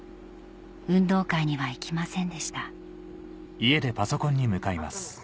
運動会には行きませんでした